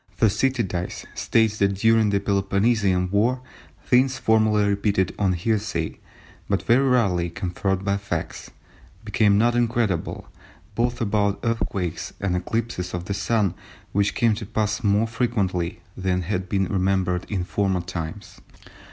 Thucydides states that during the Peloponnesian war "things formerly repeated on hearsay, but very rarely confirmed by facts, became not incredible, both about earthquakes and eclipses of the Sun which came to pass more frequently than had been remembered in former times."